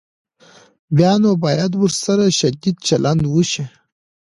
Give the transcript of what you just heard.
بیا نو باید ورسره شدید چلند وشي.